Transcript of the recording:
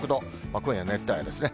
今夜熱帯夜ですね。